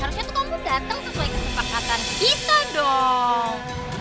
harusnya kamu datang sesuai kesepakatan kita dong